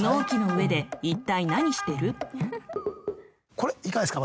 これいかがですか？